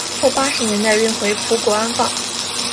后八十年代运回葡国安放。